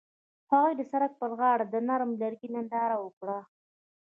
هغوی د سړک پر غاړه د نرم لرګی ننداره وکړه.